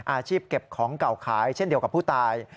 อาชีพเก็บของเก่าขายเช่นเดียวกับผู้ตาย